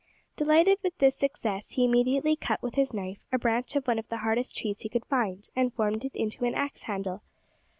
Delighted with this success, he immediately cut with his knife, a branch of one of the hardest trees he could find, and formed it into an axe handle.